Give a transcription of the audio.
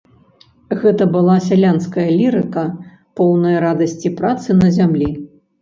Гэта была сялянская лірыка, поўная радасці працы на зямлі.